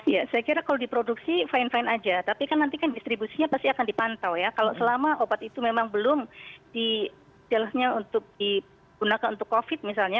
ya saya kira kalau diproduksi fine fine aja tapi kan nanti kan distribusinya pasti akan dipantau ya kalau selama obat itu memang belum di jalurnya untuk digunakan untuk covid misalnya